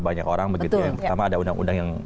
banyak orang begitu pertama ada undang undang yang